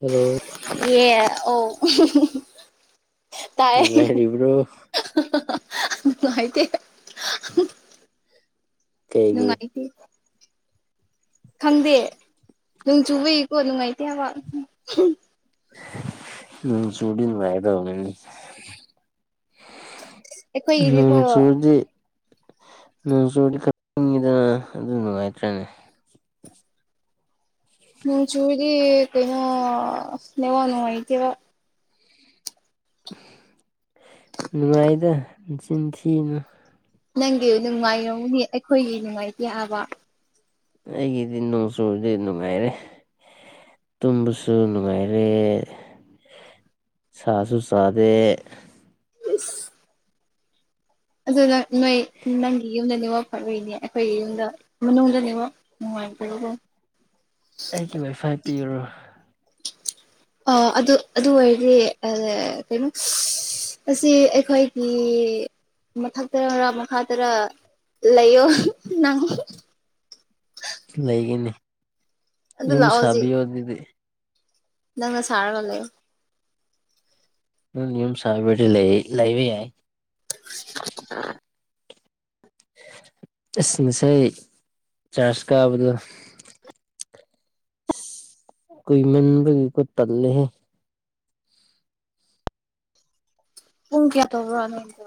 hello ꯑꯦ ꯑꯣ ꯑꯍꯨ ꯍꯨ ꯍꯨ ꯅꯨꯉꯥꯏꯔꯤꯕ꯭ꯔꯣ ꯅꯨꯡꯉꯥꯏꯇꯦ ꯍꯨꯡ ꯀꯩꯒꯤ ꯅꯨꯡꯉꯥꯏꯇꯦ ꯈꯪꯗꯦ ꯅꯣꯡ ꯆꯨꯕꯒꯤꯀꯣ ꯅꯨꯡꯉꯥꯏꯇꯦ ꯍꯥꯏꯕ ꯅꯣꯡ ꯆꯨꯔꯗꯤ ꯅꯨꯡꯉꯥꯏꯒꯗꯕꯅꯤꯅꯦ ꯅꯣꯡ ꯑꯩꯈꯣꯏꯒꯤꯗꯤꯀꯣ ꯆꯨꯔꯗꯤ ꯅꯣꯡꯆꯨꯔꯗꯤ ꯈꯔ ꯏꯤꯡꯉꯤꯗꯅ ꯑꯗꯨ ꯅꯨꯡꯉꯥꯏꯇ꯭ꯔꯅꯦ ꯅꯪ ꯆꯨꯔꯗꯤ ꯀꯩꯅꯣ ꯅꯦꯠꯋꯥꯛ ꯅꯨꯉꯥꯢꯇꯦꯕ ꯅꯨꯡꯉꯥꯏꯗ ꯅꯆꯤꯟ ꯊꯤꯅꯨ ꯅꯪꯒꯤ ꯅꯨꯡꯉꯥꯏꯔꯝꯒꯅꯤ ꯑꯩꯈꯣꯏꯒꯤ ꯅꯨꯡꯉꯥꯏꯇꯦ ꯍꯥꯏꯕ ꯑꯩꯒꯤꯗꯤ ꯅꯣꯡ ꯆꯨꯕꯁꯦ ꯅꯨꯡꯉꯥꯏꯔꯦ ꯇꯨꯝꯕꯁꯨ ꯅꯨꯡꯉꯥꯏꯔꯦ ꯁꯥꯁꯨ ꯁꯥꯗꯦ ꯑꯁ ꯑꯗꯨ ꯅꯪ ꯅꯣꯏ ꯅꯪꯒꯤ ꯌꯨꯝꯗ ꯅꯦꯠꯋꯥꯛ ꯐꯕꯩꯅꯦ ꯑꯩꯈꯣꯏꯒꯤ ꯌꯨꯝꯗ ꯃꯅꯨꯡꯗ ꯅꯦꯠꯋꯥꯛ ꯑꯩꯒꯤ ꯋꯥꯏꯐꯥꯏ ꯄꯤꯔꯨꯔꯣ ꯑꯥ ꯑꯗꯨ ꯑꯗꯨ ꯑꯣꯏꯔꯗꯤ ꯑꯥ ꯀꯩꯅꯣ ꯑꯁꯤ ꯑꯩꯈꯣꯏꯒꯤ ꯃꯊꯛꯇꯔꯥꯥ ꯃꯈꯥꯇꯔꯥ ꯂꯩꯌꯣ ꯅꯪ ꯂꯩꯒꯅꯤ ꯑꯗꯨ ꯌꯨꯝ ꯂꯥꯛꯑꯣ ꯍꯧꯖꯤꯛ ꯁꯥꯕꯤꯌꯣ ꯑꯗꯨꯗꯤ ꯅꯪꯅ ꯁꯥꯔꯒ ꯂꯩꯌꯣ ꯅꯪꯅ ꯌꯨꯝ ꯁꯕꯤꯔꯗꯤ ꯂꯩꯌꯦ ꯂꯩꯕ ꯌꯥꯏ [inaudible] ꯑꯁ ꯉꯁꯥꯏ ꯆꯥꯔꯖ ꯀꯥꯕꯗꯣ ꯀꯨꯏꯃꯟꯕꯒꯤ ꯀꯣ ꯇꯜꯂꯦꯍꯦ ꯄꯨꯡ ꯀꯌꯥ ꯇꯧꯕ꯭ꯔ ꯅꯣꯏꯒꯤꯗꯣ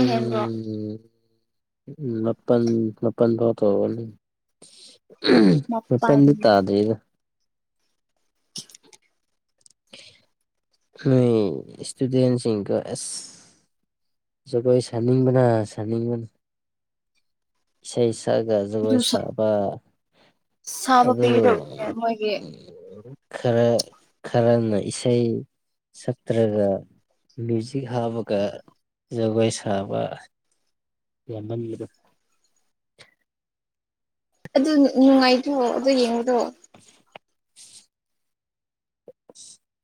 ꯎꯝ ꯎꯝ ꯃꯄꯟ ꯃꯄꯟꯐꯥꯎ ꯇꯧꯔꯅꯤ ꯃꯥꯄꯜ ꯃꯄꯟꯗꯤ ꯇꯥꯗ꯭ꯔꯤꯗ [inaudible] ꯅꯣꯏ ꯏꯁꯇꯨꯗꯦꯟꯁꯤꯡꯀꯥ ꯑꯦꯁ ꯖꯒꯣꯏ ꯁꯅꯤꯡꯕꯅꯥ ꯁꯅꯤꯡ ꯏꯁꯩ ꯁꯛꯑꯒ ꯑꯗꯨ ꯖꯒꯣꯏ ꯁꯥꯕ ꯁꯥꯕ ꯑꯗꯨ ꯄꯤꯒꯗꯕꯅꯦ ꯃꯣꯏꯒꯤ ꯈꯔ ꯈꯔꯅ ꯏꯁꯩ ꯁꯛꯇ꯭ꯔꯒ ꯃ꯭ꯌꯨꯖꯤꯛ ꯍꯥꯞꯄꯒ ꯖꯒꯣꯏ ꯁꯥꯕ ꯌꯥꯝꯃꯟꯕꯗ ꯑꯗꯨ ꯅꯨꯡꯉꯥꯏꯇ꯭ꯔꯣ ꯑꯗꯨ ꯌꯦꯡꯕꯗꯣ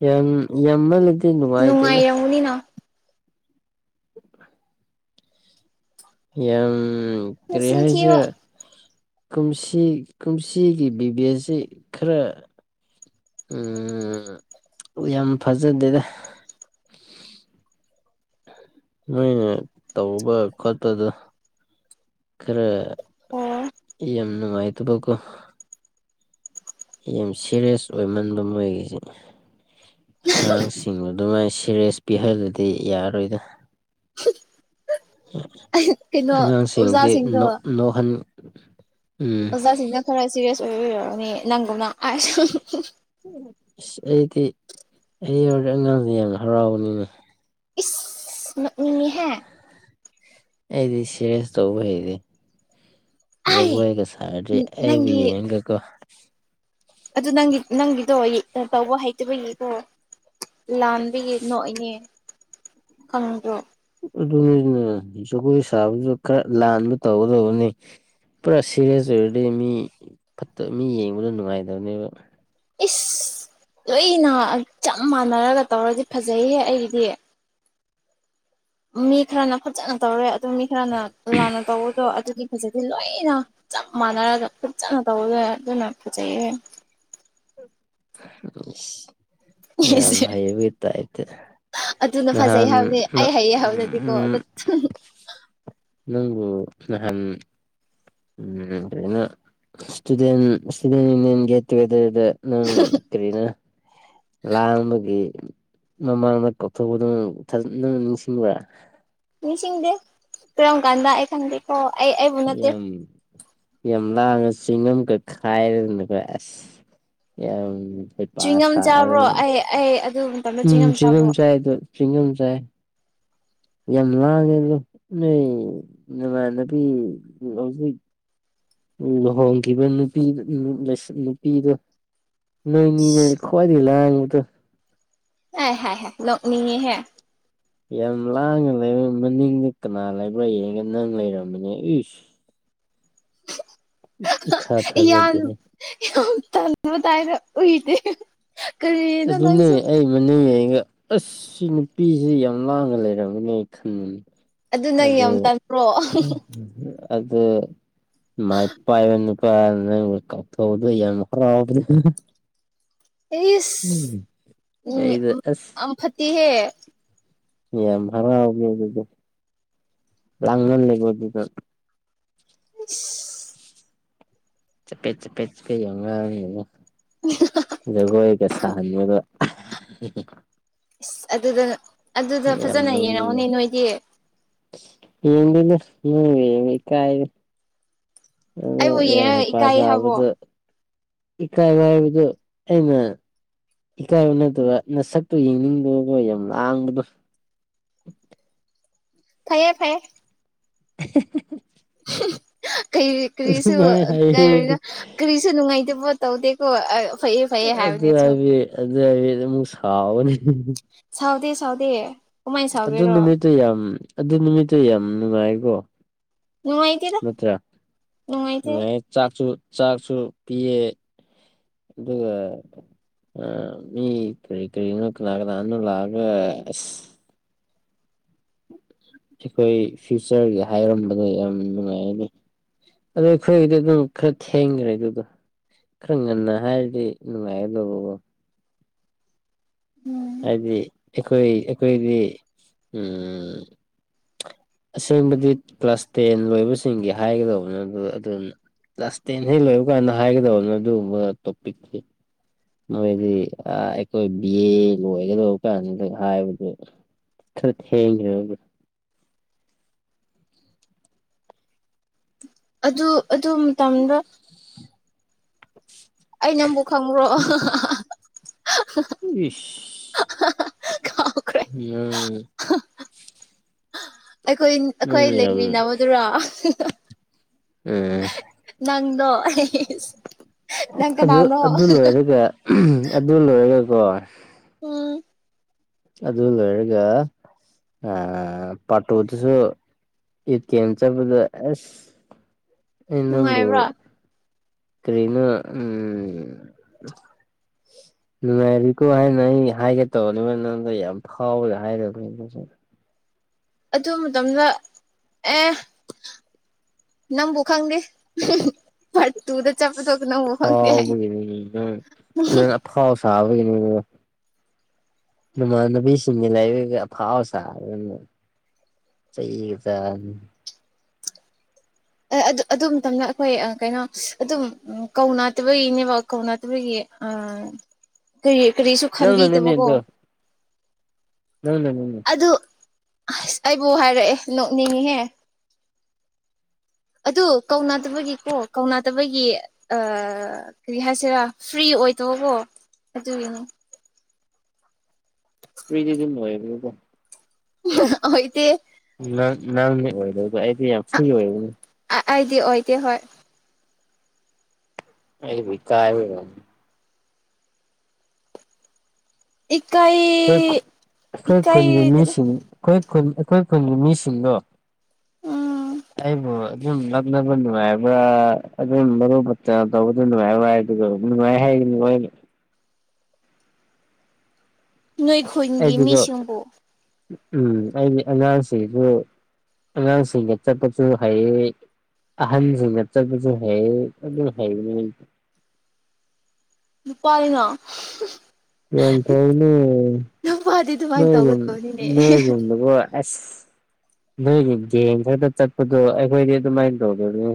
ꯌꯥꯝ ꯌꯥꯝꯃꯜꯂꯗꯤ ꯅꯨꯡꯉꯥꯏꯇꯦꯗ ꯅꯨꯡꯉꯥꯏꯔꯝꯒꯅꯤꯅ ꯌꯥꯝ ꯀꯔꯤ ꯃꯆꯤꯟ ꯊꯤꯕ ꯍꯥꯏꯁꯤꯔ ꯀꯨꯝꯁꯤ ꯀꯨꯝꯁꯤꯒꯤ ꯕꯤ ꯕꯤ ꯑꯁ ꯖꯤ ꯈꯔ ꯎꯝ ꯌꯥꯝ ꯐꯖꯗꯦꯗ ꯅꯣꯏꯅ ꯇꯧꯕ ꯈꯣꯠꯄꯗ ꯈꯔ ꯑꯣ ꯌꯥꯝ ꯅꯨꯡꯉꯥꯏꯇꯕꯀꯣ ꯌꯥꯝ ꯁꯦꯔꯤꯌꯁ ꯑꯣꯏꯃꯟꯕ ꯃꯣꯏꯒꯤꯁꯦ ꯑꯉꯥꯡꯁꯤꯡꯕꯨ ꯑꯗꯨꯃꯥꯏꯅ ꯁꯦꯔꯤꯌꯁ ꯄꯤꯍꯜꯂꯗꯤ ꯌꯥꯔꯔꯣꯏꯗ ꯀꯩꯅꯣ ꯑꯉꯥꯡꯁꯤꯡꯗꯤ ꯑꯣꯖꯥꯁꯤꯡꯗꯣ ꯅꯣꯛ ꯅꯣꯛꯍꯟ ꯎꯝ ꯑꯣꯖꯥꯁꯤꯡꯅ ꯈꯔ ꯁꯦꯔꯤꯌꯁ ꯑꯣꯏꯕꯩ ꯑꯣꯏꯔꯝꯅꯤꯌꯦ ꯅꯪꯒꯨꯝꯅ ꯏꯁ ꯑꯗꯨꯗꯤ ꯑꯩ ꯌꯥꯎꯔꯗꯤ ꯑꯉꯥꯡꯁꯦ ꯌꯥꯝ ꯍꯔꯥꯎꯕꯒꯅꯤꯅꯦ ꯏꯁ ꯅꯣꯛꯅꯤꯡꯉꯦꯍꯦ ꯑꯩꯗꯤ ꯁꯦꯔꯤꯌꯁ ꯇꯧꯕ ꯍꯩꯔꯦ ꯑꯩ ꯖꯒꯣꯏꯒ ꯁꯥꯔꯗꯤ ꯑꯩꯕꯨ ꯅꯪꯒꯤ ꯌꯦꯡꯒꯀꯣ ꯑꯗꯨ ꯅꯪꯒꯤ ꯅꯪꯒꯤꯗꯣ ꯇꯧꯕ ꯍꯩꯇꯕꯒꯤꯀꯣ ꯂꯥꯟꯕꯒꯤ ꯅꯣꯛꯏꯅꯦ ꯈꯪꯗ꯭ꯔꯣ ꯑꯗꯨꯅꯤꯅꯦ ꯖꯒꯣꯏ ꯁꯥꯕꯗ ꯈꯔ ꯂꯥꯟꯕ ꯇꯧꯒꯗꯕꯅꯤ ꯄꯨꯔꯥ ꯁꯦꯔꯤꯌꯁ ꯑꯣꯏꯔꯗꯤ ꯃꯤ ꯐꯠꯇ ꯃꯤ ꯌꯦꯡꯕꯗ ꯅꯨꯡꯉꯥꯏꯗꯕꯅꯦꯕ ꯏꯁ ꯂꯣꯏꯅ ꯆꯞ ꯃꯥꯟꯅꯔꯒ ꯇꯧꯔꯗꯤ ꯐꯖꯩꯌꯦ ꯑꯩꯒꯤꯗꯤ ꯃꯤ ꯈꯔꯅ ꯐꯠꯖꯅ ꯇꯧꯔꯦ ꯑꯗꯨ ꯃꯤ ꯈꯔꯅ ꯂꯥꯟꯅ ꯇꯧꯕꯗꯣ ꯑꯗꯨꯗꯤ ꯐꯖꯗꯦ ꯂꯣꯏꯅ ꯆꯞ ꯃꯥꯟꯅꯔꯒ ꯐꯠꯖꯅ ꯇꯧꯕꯗꯣ ꯑꯗꯨꯅ ꯐꯖꯩꯌꯦ ꯌꯥꯝ ꯑꯩꯁꯦ ꯍꯩꯕꯩ ꯇꯥꯏꯞꯇ ꯑꯗꯨꯅ ꯥ ꯐꯖꯩ ꯍꯥꯏꯕꯅꯤ ꯑꯩ ꯍꯩꯌꯦ ꯍꯥꯏꯕꯗꯗꯤꯀꯣ ꯑꯗꯨ [unintelligible] ꯅꯪꯕꯨ ꯅꯍꯥꯟ [unintelligible] ꯁ꯭ꯇꯨꯗꯦꯟ ꯌꯨꯅꯦꯟ [unintelligible] ꯑꯗꯨꯗ ꯅꯪ ꯀꯔꯤꯅ ꯂꯥꯡꯕꯒꯤ ꯃꯃꯥꯡꯗ ꯀꯧꯊꯣꯛꯄꯗꯨ ꯊ ꯅꯪ ꯅꯤꯡꯁꯤꯡꯕ꯭ꯔ ꯅꯤꯡꯁꯤꯡꯗꯦ ꯀꯔꯝ ꯀꯥꯟꯗ ꯑꯩ ꯈꯪꯗꯦꯀꯣ ꯑꯩ ꯑꯩꯕꯨ ꯅꯠꯇꯦ ꯌꯥꯝ ꯌꯥꯝ ꯂꯥꯡꯉꯒ [unintelligible] ꯌꯥꯝ ꯍꯩꯄ ꯆ꯭ꯋꯤꯡꯒꯝ ꯆꯥꯕ꯭ꯔꯣ ꯁꯥꯔꯗ ꯑꯩ ꯑꯩ ꯑꯗꯨ ꯃꯇꯝꯗ ꯎꯝ ꯆꯥꯕ꯭ꯔꯣ ꯆ꯭ꯋꯤꯡꯒꯝ ꯆꯥꯏ ꯗꯣ ꯆ꯭ꯋꯤꯡꯒꯝ ꯆꯥꯏ ꯌꯥꯝ ꯂꯥꯡꯉꯦꯅꯦ ꯅꯣꯏ ꯅꯃꯥꯟꯅꯕꯤ ꯍꯧꯖꯤꯛ ꯂꯨꯍꯣꯡꯈꯤꯕ ꯅꯨꯄꯤ ꯅꯨꯄꯤꯗꯣ ꯅꯣꯏꯅꯤꯅꯦ ꯈꯋꯥꯏꯗꯒꯤ ꯂꯥꯡꯉꯤꯗꯣ ꯍꯥꯏ ꯍꯥꯏ ꯍꯥꯏ ꯅꯣꯛꯅꯤꯡꯉꯦꯍꯦ ꯌꯥꯝ ꯂꯥꯡꯉ ꯂꯩꯔ ꯃꯅꯤꯡꯗ ꯀꯅꯥ ꯂꯩꯕ꯭ꯔꯥ ꯌꯦꯡꯒ ꯅꯪ ꯂꯩꯔꯝꯃꯤꯅꯦ ꯏꯁ ꯏꯊꯥ ꯌꯥꯝ ꯊꯥꯖꯗꯦꯍꯦ ꯌꯥꯝ ꯇꯟꯕ ꯇꯥꯏꯅ ꯎꯏꯗꯦ ꯀꯔꯤꯅꯣ ꯑꯗꯨꯅꯦ ꯅꯪꯁꯨ ꯑꯩ ꯃꯅꯤꯡ ꯂꯩꯒ ꯑꯁ ꯁꯤ ꯅꯨꯄꯤꯁꯤ ꯌꯥꯝ ꯂꯥꯡꯅ ꯂꯩꯔꯝꯃꯤꯅꯦ ꯈꯟꯕꯅꯤ ꯅꯪ ꯑꯗꯨ ꯌꯥꯝ ꯇꯟꯕ꯭ꯔꯣ ꯑꯗꯨ ꯃꯥꯏꯛ ꯄꯥꯏꯕ ꯅꯨꯄꯥꯗꯨꯅ ꯅꯪ ꯀꯥꯎꯊꯣꯛꯑꯗ ꯌꯥꯝ ꯍꯔꯥꯎꯕꯅꯦ ꯏꯁ ꯅꯪ ꯑꯩꯗꯣ ꯑꯁ ꯌꯥꯝ ꯐꯠꯇꯤꯍꯦ ꯌꯥꯝ ꯍꯔꯥꯎꯒꯦ ꯑꯗꯨꯗꯤ ꯂꯥꯡꯃꯜꯂꯒ ꯑꯗꯨꯗ ꯏꯁ ꯆꯄꯦꯠ ꯆꯄꯦꯠꯀ ꯌꯥꯝ ꯉꯥꯡꯒꯅꯣ ꯖꯒꯣꯏꯒ ꯁꯥꯍꯟꯕꯒ ꯏꯁ ꯑꯗꯨꯗ ꯑꯗꯨꯗ ꯐꯖꯅ ꯌꯦꯡꯉꯣꯅꯦ ꯅꯣꯏꯗꯤ ꯌꯦꯗꯦꯅꯦ ꯅꯣꯏ ꯌꯦꯡꯕ ꯏꯀꯥꯏꯑꯦ ꯑꯥ ꯑꯩꯕꯨ ꯌꯥꯝ ꯌꯦꯡꯔꯒ ꯍꯩꯄꯥ ꯏꯀꯥꯏ ꯍꯥꯏꯕꯣ ꯁꯥꯕꯗ ꯏꯀꯥꯏꯕ ꯍꯥꯏꯕꯗꯣ ꯑꯩꯅ ꯏꯀꯥꯏꯕ ꯅꯠꯇꯕ ꯅꯁꯛꯇꯨ ꯌꯦꯡꯅꯤꯡꯗꯦꯀꯣ ꯌꯥꯝ ꯂꯥꯡꯕꯗꯣ [inaudible] ꯐꯩꯌꯦ ꯐꯩꯌꯦ [inaudible] ꯀꯔꯤ ꯀꯔꯤꯁꯨ ꯑꯗꯨꯃꯥꯏꯅ ꯀꯔꯤ ꯍꯥꯏꯕꯤꯔꯗꯤ ꯀꯔꯤꯁꯨ ꯅꯨꯡꯉꯥꯏꯇꯕ ꯇꯧꯗꯦꯀꯣ ꯐꯩꯌꯦ ꯐꯩꯌꯦ ꯑꯗꯨ ꯍꯥꯏꯕꯅꯦ ꯁꯨꯝ ꯍꯥꯏꯗꯤ ꯑꯗꯨ ꯍꯥꯏꯗꯤ ꯑꯗꯨꯞ ꯁꯥꯥꯎꯒꯅꯤ ꯁꯥꯎꯗꯦ ꯁꯥꯎꯗꯦ ꯀꯃꯥꯏꯅ ꯑꯗꯨ ꯁꯥꯎꯒꯦꯔꯣ ꯅꯨꯃꯤꯠꯇꯣ ꯌꯥꯝ ꯑꯗꯨ ꯅꯨꯃꯤꯠꯇ ꯌꯥꯝ ꯅꯨꯡꯉꯥꯏꯀꯣ ꯅꯨꯡꯉꯥꯏꯇꯦꯗ ꯅꯠꯇ꯭ꯔꯥ ꯅꯨꯡꯉꯥꯏꯇꯦ ꯅꯨꯡꯉꯥꯏ ꯆꯥꯛꯁꯨ ꯆꯥꯛꯁꯨ ꯄꯤꯌꯦ ꯑꯗꯨꯒ ꯑꯥ ꯃꯤ ꯀꯔꯤ ꯀꯔꯤꯅ ꯀꯅꯥ ꯀꯅꯥꯅ ꯂꯥꯛꯑꯒ ꯑꯁ ꯑꯈꯣꯏ ꯐ꯭ꯌꯨꯆꯔꯒꯤ ꯍꯥꯏꯔꯝꯕꯗ ꯌꯥꯝ ꯅꯨꯡꯉꯥꯏꯌꯦꯅꯦ ꯑꯗꯣ ꯑꯈꯣꯏꯒꯤꯗꯤ ꯑꯗꯣ ꯈꯥꯔ ꯊꯦꯡꯈ꯭ꯔꯦ ꯑꯗꯨꯗꯣ ꯈꯥꯔ ꯉꯟꯅ ꯍꯥꯏꯔꯗꯤ ꯅꯨꯡꯉꯥꯏꯒꯗꯧꯕꯀꯣ ꯎꯝ ꯍꯥꯏꯗꯤ ꯑꯈꯣꯏ ꯑꯈꯣꯏꯗꯤ ꯎꯝ ꯑꯁꯦꯡꯕꯗꯤ ꯀ꯭ꯂꯥꯁ ꯇꯦꯟ ꯂꯣꯏꯕꯁꯤꯡꯒꯤ ꯍꯥꯏꯒꯗꯧꯕ ꯅꯠꯇ꯭ꯔꯣ ꯑꯗꯨꯝ ꯀ꯭ꯂꯥꯁ ꯇꯦꯟ ꯍꯦꯛ ꯂꯣꯏꯕ ꯀꯥꯟꯗ ꯍꯥꯏꯒꯗꯕꯅꯣ ꯑꯗꯨꯒꯨꯝꯕ ꯇꯣꯄꯤꯛꯇꯨ ꯅꯣꯏꯗꯤ ꯑꯈꯣꯏ ꯕꯤ ꯑꯦ ꯂꯣꯏꯒꯗꯧꯕ ꯀꯥꯟꯗꯒ ꯍꯥꯏꯕꯗꯨ ꯈꯥꯔ ꯊꯦꯡꯁꯥꯅꯨꯗ ꯑꯗꯨ ꯑꯗꯨ ꯃꯇꯝꯗ ꯑꯩ ꯅꯪꯕꯨ ꯈꯪꯕ꯭ꯔꯣ ꯏꯁ ꯀꯥꯎꯈ꯭ꯔꯦ ꯎꯝ ꯑꯈꯣꯏ ꯑꯈꯣꯏ ꯅꯪ ꯌꯥꯝ ꯂꯩꯃꯤꯟꯅꯕꯗꯨꯔꯣ ꯎꯝ ꯅꯪꯗꯣ ꯅꯪ ꯑꯗꯨ ꯀꯅꯥꯅꯣ ꯑꯗꯨ ꯂꯣꯏꯔꯒ ꯑꯗꯨ ꯂꯣꯏꯔꯒꯀꯣ ꯎꯝ ꯑꯗꯨ ꯂꯣꯏꯔꯒ ꯑꯥ ꯄꯥꯔ ꯇꯨꯗꯨꯁꯨ ꯑꯦ ꯇꯤ ꯑꯦꯝ ꯆꯪꯕꯗ ꯑꯁ ꯑꯩ ꯅꯪꯕꯨ ꯅꯨꯡꯉꯥꯏꯕ꯭ꯔꯥ ꯀꯔꯤꯅꯣ ꯎꯝ ꯅꯨꯡꯉꯥꯏꯔꯤꯀꯣ ꯍꯥꯏꯅ ꯑꯩ ꯍꯥꯏꯒꯦ ꯇꯧꯔꯅꯤ ꯅꯪꯗ ꯌꯥꯝ ꯐꯥꯎꯕꯗ ꯍꯥꯏꯗꯕꯅꯤ ꯑꯗꯨ ꯃꯇꯝꯗ ꯑꯦ ꯅꯪꯕꯨ ꯈꯪꯗꯦ ꯐꯠꯇꯨꯗ ꯆꯞꯄꯗꯨ ꯅꯪꯕꯨ ꯈꯪꯗꯦ ꯍꯥꯏꯌꯦ ꯐꯥꯎꯕꯒꯤꯅꯤ ꯁꯥꯕꯒꯤꯅꯦ [unintelligible] ꯅꯃꯥꯟꯅꯕꯤꯁꯤꯡꯒ ꯂꯩꯔꯒ ꯑꯐꯥꯎ ꯁꯥꯗꯅ ꯆꯩꯒ ꯆꯥꯕꯅꯤ ꯑꯦ ꯑꯗꯨ ꯃꯇꯝꯗ ꯑꯈꯣꯏ ꯑꯥ ꯀꯩꯅꯣ ꯑꯗꯨꯝ ꯀꯧ ꯅꯗꯕꯒꯤꯅꯦꯕ ꯀꯧꯅꯗꯕꯒꯤ ꯑꯥ ꯀꯔꯤ ꯀꯔꯤꯁꯨ ꯅꯪꯅꯅꯤꯅꯦ ꯈꯟꯕꯤꯗꯕꯀꯣ ꯑꯗꯣ ꯅꯪꯅꯅꯤꯅꯦ ꯑꯗꯨ ꯑꯁ ꯑꯩꯕꯨ ꯍꯥꯏꯔꯛꯑꯦ ꯅꯣꯛꯅꯤꯡꯉꯤꯍꯦ [inaudible] ꯑꯗꯨ ꯀꯧꯅꯗꯕꯒꯤꯀꯣ ꯀꯧꯅꯗꯕꯒꯤ ꯑꯥ ꯀꯔꯤ ꯍꯥꯏꯁꯤꯔꯥ ꯐ꯭ꯔꯤ ꯑꯣꯏ ꯑꯣꯏꯗꯕ ꯀꯣ ꯑꯗꯨꯒꯤꯅꯦ ꯐ꯭ꯔꯤꯗꯤ [unintelligible] ꯑꯣꯏꯗꯦ ꯅꯪ ꯅꯪꯅꯦ ꯑꯣꯏꯔꯣꯏꯗꯧ ꯑꯩꯗꯤ ꯌꯥꯝ ꯐ꯭ꯔꯤ ꯑꯣꯏꯌꯦ ꯑꯩꯥꯗꯤ ꯑꯣꯏꯗꯤ ꯍꯣꯏ ꯑꯩꯩꯕꯨ ꯏꯀꯥꯏ ꯕꯔꯣ ꯏꯀꯥꯏ ꯑꯈꯣꯏ ꯈꯨ ꯑꯈꯣꯏ ꯏꯀꯥꯏ ꯈꯨꯟꯒꯤ ꯃꯤꯁꯤꯡ ꯑꯈꯣꯏ ꯈꯨꯟ ꯑꯈꯣꯏ ꯈꯨꯟꯒꯤ ꯃꯤꯁꯤꯡꯗꯣ ꯎꯝ ꯑꯩꯕꯨ ꯑꯗꯨꯝ ꯂꯛꯅꯕ ꯅꯨꯡꯉꯥꯏꯕ꯭ꯔ ꯑꯗꯨꯝ ꯃꯔꯨꯞ ꯃꯥꯇ ꯇꯧꯕꯗ ꯅꯨꯡꯉꯥꯏꯕ꯭ꯔ ꯍꯥꯏꯕꯗ ꯀꯣ ꯅꯨꯡꯉꯥꯏ ꯍꯥꯏꯒꯅꯤ ꯃꯣꯏꯅ ꯅꯣꯏ ꯈꯨꯟꯒꯤ ꯑꯩꯗꯤꯀꯣ ꯃꯤꯁꯤꯡꯕꯨ ꯎꯝ ꯑꯩꯗꯤ ꯑꯉꯥꯡꯁꯤꯡꯁꯨ ꯑꯉꯥꯡꯁꯤꯡꯒ ꯆꯠꯄꯁꯨ ꯍꯩꯌꯦ ꯑꯍꯟꯁꯤꯡꯒ ꯆꯠꯄꯁꯨ ꯍꯩꯌꯦ ꯑꯗꯨꯝ ꯍꯩꯕꯅꯦ ꯑꯩꯗꯤ ꯅꯨꯄꯥꯅꯤꯅ ꯒ꯭ꯌꯣꯟ ꯇꯥꯏꯅꯦ ꯅꯨꯄꯥꯗꯤ ꯑꯗꯨꯃꯥꯏꯅ ꯅꯣꯏꯔꯣꯝ ꯇꯧꯒꯗꯕꯅꯤꯅꯦ ꯅꯣꯏꯔꯣꯝꯗ ꯑꯁ ꯅꯣꯏꯒꯤ ꯕꯦꯡꯛꯇꯒ ꯆꯠꯄꯗꯣ ꯑꯈꯣꯏꯗꯤ ꯑꯗꯨꯃꯥꯏꯅ ꯇꯧꯗꯕꯅꯦ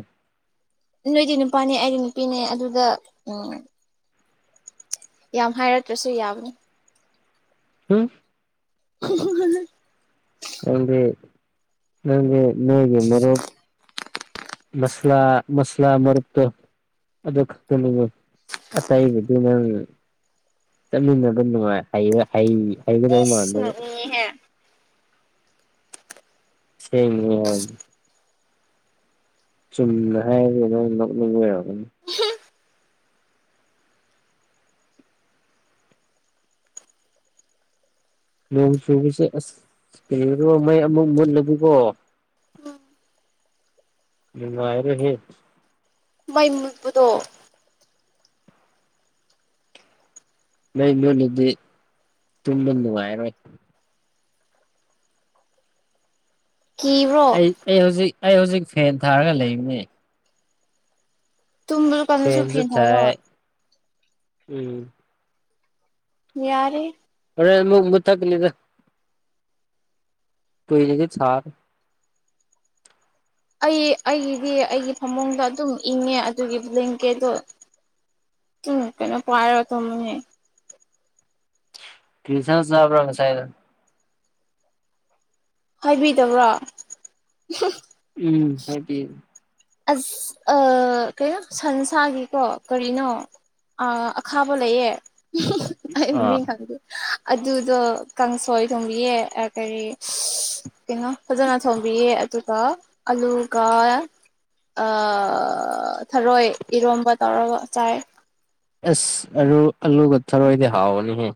ꯅꯣꯏꯗꯤ ꯅꯨꯄꯥꯅꯦ ꯑꯩꯗꯤ ꯅꯨꯄꯤꯅꯦ ꯑꯗꯨꯗ ꯎꯝ ꯌꯥꯝ ꯍꯥꯏꯔꯛꯇ꯭ꯔꯁꯨ ꯌꯥꯕꯅꯦ ꯍꯝ [inaudible] ꯅꯪꯗꯤ ꯅꯪꯗꯤ ꯅꯣꯏꯒꯤ ꯃꯔꯨꯞ ꯃꯁꯂꯥ ꯃꯁꯂꯥ ꯃꯔꯨꯞꯇꯣ ꯑꯗꯨ ꯈꯛꯇꯅꯤ ꯀꯣ ꯑꯇꯩꯁꯤꯗꯤ ꯅꯪ ꯆꯠꯃꯤꯟꯅꯕ ꯅꯨꯡꯉꯥꯏ ꯍꯩꯌꯦ ꯍꯩꯒꯗꯕ ꯏꯁ ꯃꯥꯟꯗꯕ ꯅꯣꯛꯅꯤꯡꯉꯤꯍꯦ ꯑꯁꯦꯡꯕ ꯋꯥꯅꯤ ꯆꯨꯝꯅ ꯍꯥꯏꯕꯁꯤꯗ ꯅꯣꯛꯅꯤꯡꯕ꯭ꯔꯣ ꯅꯣꯡ ꯆꯨꯕꯁꯦ ꯑꯁ ꯀꯩꯅꯣ ꯃꯩ ꯑꯃꯨꯛ ꯃꯨꯠꯂꯗꯤꯀꯣ ꯅꯨꯡꯉꯥꯏꯔꯦ ꯍꯦ ꯃꯩ ꯃꯨꯠꯄꯗꯣ ꯃꯩ ꯃꯨꯠꯂꯗꯤ ꯇꯨꯝꯕ ꯅꯨꯡꯉꯥꯏꯔꯣꯏ ꯀꯤꯕ꯭ꯔꯣ ꯑꯩ ꯑꯩ ꯍꯧꯖꯤꯛ ꯑꯩ ꯍꯧꯖꯤꯛ ꯐꯦꯟ ꯊꯥꯔꯒ ꯂꯩꯕꯅꯦ ꯇꯨꯝꯕ ꯀꯥꯟꯗꯁꯨ ꯐꯦꯟꯁꯨ ꯐꯦꯟ ꯊꯥꯕ ꯊꯥꯏ ꯎꯝ ꯌꯥꯔꯦ ꯍꯣꯔꯦꯟ ꯑꯃꯨꯛ ꯃꯨꯊꯠ ꯀꯅꯤꯗ ꯀꯩꯔꯗꯤ ꯁꯥ ꯑꯩ ꯑꯩꯒꯤꯗꯤ ꯑꯩꯒꯤ ꯐꯃꯨꯡꯗ ꯑꯗꯨꯝ ꯏꯪꯉꯦ ꯑꯗꯨꯒꯤ ꯕ꯭ꯂꯦꯡꯀꯦꯠꯇꯣ ꯎꯝ ꯀꯩꯅꯣ ꯄꯥꯏꯔ ꯇꯨꯝꯕꯅꯦ ꯀ꯭ꯔꯤꯁꯥꯡ ꯆꯕꯔꯥ ꯉꯁꯥꯏꯗꯣ ꯍꯥꯏꯕꯤꯗꯕ꯭ꯔ ꯎꯝ ꯍꯥꯏꯕꯤꯌꯦ ꯑꯁ ꯑꯥ ꯀꯩꯅꯣ ꯁꯟꯁꯥꯒꯤꯀꯣ ꯀꯔꯤꯅꯣ ꯑꯥ ꯑꯈꯥꯕ ꯂꯩꯌꯦ ꯑꯩ ꯑꯥ ꯃꯃꯤꯡ ꯈꯪꯗꯦ ꯑꯗꯨꯗꯣ ꯀꯥꯡꯁꯣꯏ ꯊꯣꯡꯕꯤꯌꯦ ꯑꯥ ꯀꯔꯤ ꯀꯩꯅꯣ ꯐꯖꯅ ꯊꯣꯝꯕꯤꯌꯦ ꯑꯗꯨꯒ ꯑꯂꯨꯒ ꯑꯥ ꯊꯔꯣꯏ ꯏꯔꯣꯝꯕ ꯇꯧꯔꯒ ꯆꯥꯏ ꯑꯁ ꯑꯂꯨ ꯑꯂꯨꯒ ꯊꯔꯣꯏ ꯍꯥꯎꯕꯅꯤꯍꯦ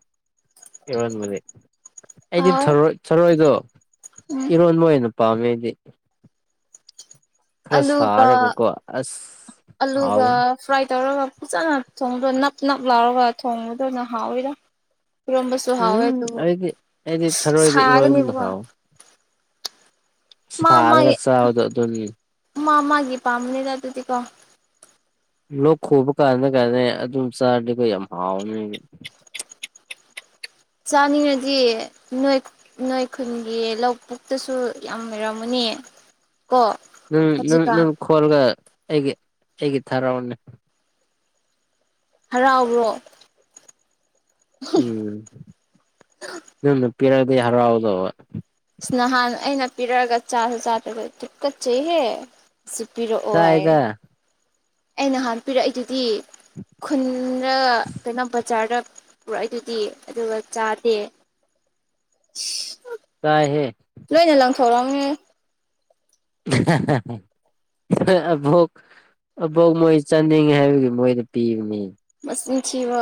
ꯏꯔꯣꯟꯕꯗꯤ ꯑꯩꯗꯤ ꯍꯥꯎ ꯊꯔꯣꯏ ꯊꯔꯣꯏꯗꯣ ꯎꯝ ꯏꯔꯣꯟꯕ ꯑꯣꯏꯅ ꯄꯥꯝꯃꯦ ꯑꯩꯗꯤ ꯈꯔ ꯑꯂꯨꯒ ꯁꯥꯔꯒꯀꯣ ꯑꯁ ꯑꯂꯨꯒ ꯍꯥꯎꯕꯅꯤ ꯐ꯭ꯔꯥꯏ ꯇꯧꯔꯒ ꯐꯖꯅ ꯊꯣꯡꯗ ꯅꯞ ꯅꯞ ꯂꯥꯎꯔꯒ ꯊꯣꯡꯕꯗꯨꯅ ꯍꯥꯎꯋꯤꯗ ꯌꯔꯣꯝꯕꯁꯨ ꯍꯥꯎꯋꯦ ꯎꯝ ꯑꯗꯨ ꯑꯩꯗꯤ ꯑꯩꯗꯤ ꯊꯔꯣꯏꯗ ꯏꯔꯣꯟꯕꯅ ꯁꯥꯔꯅꯦꯕ ꯍꯥꯎꯋꯦ ꯁꯥꯔꯒ ꯆꯥꯕꯗꯣ ꯑꯗꯨꯒꯤ ꯃꯥ ꯃꯥꯒꯤ ꯄꯥꯝꯕꯅꯤꯗ ꯑꯗꯨꯗꯤꯀꯣ ꯂꯣꯛ ꯈꯨꯕ ꯀꯥꯟꯗ ꯀꯥꯏꯗ ꯑꯗꯨꯝ ꯆꯥꯔꯗꯤꯀꯣ ꯌꯥꯝ ꯍꯥꯎꯅꯤꯕ ꯆꯥꯅꯤꯡꯉꯗꯤ ꯅꯣꯏ ꯅꯣꯏ ꯈꯨꯟꯒꯤ ꯂꯧ ꯄꯨꯨꯛꯇꯁꯨ ꯌꯥꯝ ꯂꯩꯔꯝꯃꯅꯤ ꯌꯦ ꯅꯪ ꯅꯪ ꯈꯣꯂꯒ ꯑꯩꯒꯤ ꯑꯩꯒꯤ ꯊꯥꯔꯛꯑꯣꯅꯦ ꯍꯔꯥꯎꯕ꯭ꯔꯣ ꯎꯝ ꯅꯪꯅ ꯄꯤꯔꯛꯑꯗꯤ ꯍꯔꯥꯎꯗꯧꯕ ꯑꯁ ꯅꯍꯥꯟ ꯑꯩꯅ ꯄꯤꯔꯛꯑꯒ ꯆꯥꯁꯨ ꯆꯥꯗꯕ ꯇꯨꯛꯀꯠꯆꯩꯍꯦ ꯁꯤ ꯄꯤꯔꯛꯑꯣ ꯍꯥꯏꯌꯦ ꯆꯥꯏꯗ ꯑꯩ ꯅꯍꯥꯟ ꯄꯤꯔꯛꯏꯗꯨꯗꯤ ꯈꯨꯟꯗ ꯀꯩꯅꯣ ꯕꯖꯥꯔꯗ ꯄꯨꯔꯛꯏꯗꯨꯗꯤ ꯑꯗꯨꯒ ꯆꯥꯗꯦ ꯆꯥꯏꯍꯦ ꯂꯣꯏꯅ ꯂꯪꯊꯣꯛꯂ ꯍꯍꯍ ꯍꯣꯏ ꯑꯕꯣꯛ ꯑꯕꯣꯛ ꯃꯣꯏ ꯆꯥꯅꯤꯡꯉꯦ ꯍꯥꯏꯕꯒꯤ ꯃꯣꯏꯗ ꯄꯤꯕꯅꯤ ꯆꯤꯟ ꯊꯤꯕ